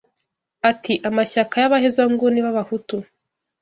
Ati amashyaka y’abahezanguni b’abahutu